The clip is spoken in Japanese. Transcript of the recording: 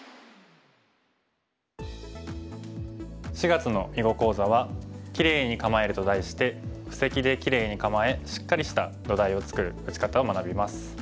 ４月の囲碁講座は「キレイに構える」と題して布石でキレイに構えしっかりした土台を作る打ち方を学びます。